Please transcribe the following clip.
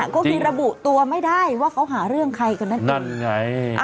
ก็คือระบุตัวไม่ได้ว่าเขาหาเรื่องใครกันนั่นเองนั่นไง